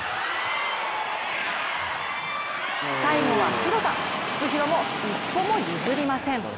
最後は廣田、フクヒロも一歩も譲りません。